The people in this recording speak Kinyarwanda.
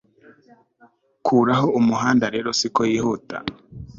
Kuraho umuhanda rero sike yihuta